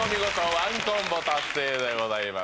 １コンボ達成でございます